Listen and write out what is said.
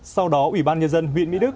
sau đó ủy ban nhà dân viện mỹ đức